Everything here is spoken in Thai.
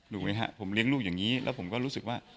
ถูกไหมครับผมเลี้ยงลูกอย่างนี้แล้วผมก็รู้สึกว่า